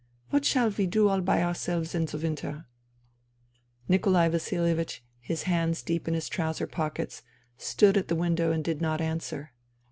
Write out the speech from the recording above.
" What shall we do all by ourselves in the winter ?" Nikolai Vasilievich, his hands deep in his trouser pockets, stood at the window and did not answer.